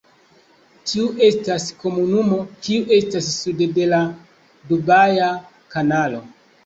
Tiu estas komunumo kiu estas sude de la Dubaja Kanalo.